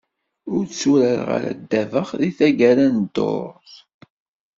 Ur tturareɣ ara ddabex deg taggara n ddurt.